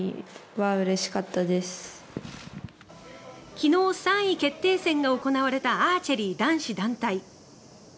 昨日、３位決定戦が行われたアーチェリー男子団体。